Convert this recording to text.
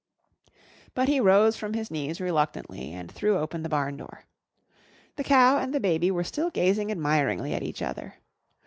But he rose from his knees reluctantly, and threw open the barn door. The cow and the baby were still gazing admiringly at each other.